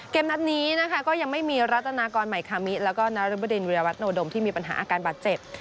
นัดนี้นะคะก็ยังไม่มีรัตนากรใหม่คามิแล้วก็นรบดินวิรวัตโนดมที่มีปัญหาอาการบาดเจ็บ